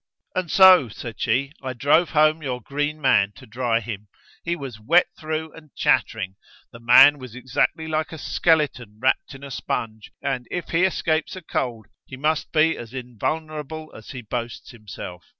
"And so," said she, "I drove home your Green Man to dry him; he was wet through and chattering; the man was exactly like a skeleton wrapped in a sponge, and if he escapes a cold he must be as invulnerable as he boasts himself.